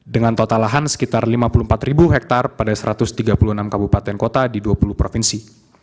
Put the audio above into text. dengan total lahan sekitar lima puluh empat hektare pada satu ratus tiga puluh enam kabupaten kota di dua puluh provinsi